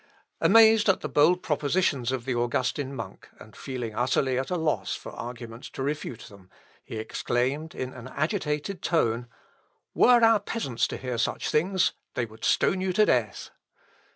Amazed at the bold propositions of the Augustin monk, and feeling utterly at a loss for arguments to refute them, he exclaimed, in an agitated tone, "Were our peasants to hear such things, they would stone you to death."